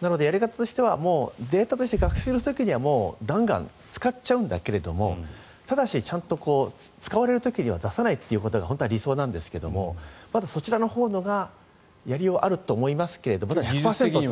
なのでやり方としてはデータとして学習する時にはガンガン使っちゃうんだけどただしちゃんと使われる時には出さないということが本当は理想なんですけどもまずそちらのほうがやりようはあると思いますが１００％って。